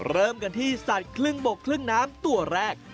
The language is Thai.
เริ่มกันที่สัตว์ครึ่งบกครึ่งน้ำตัวแรก